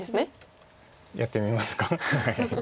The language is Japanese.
やってみますか。